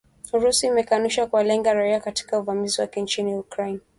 Urusi imekanusha kuwalenga raia katika uvamizi wake nchini Ukraine